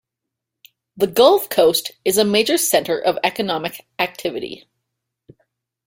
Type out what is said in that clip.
The Gulf Coast is a major center of economic activity.